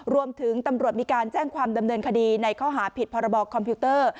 รวมถึงตำรวจมีการแจ้งความดำเนินคดีในข้อหาผิดพรบคอมพิวเตอร์